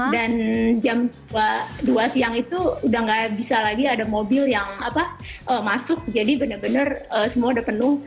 dan jam dua siang itu udah gak bisa lagi ada mobil yang masuk jadi benar benar semua udah penuh